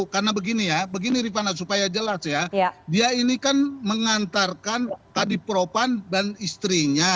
karena begini ya begini rifat supaya jelas ya dia ini kan mengantarkan tadi propan dan istrinya